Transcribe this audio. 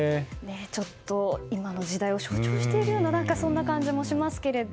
ちょっと、今の時代を象徴しているようなそんな感じもしますが。